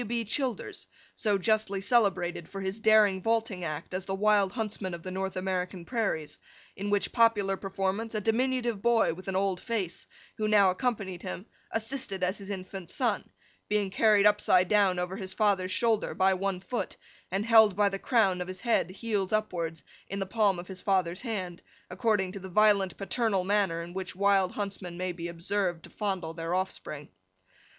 W. B. Childers, so justly celebrated for his daring vaulting act as the Wild Huntsman of the North American Prairies; in which popular performance, a diminutive boy with an old face, who now accompanied him, assisted as his infant son: being carried upside down over his father's shoulder, by one foot, and held by the crown of his head, heels upwards, in the palm of his father's hand, according to the violent paternal manner in which wild huntsmen may be observed to fondle their offspring.